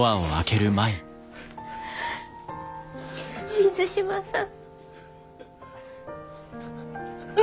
水島さん。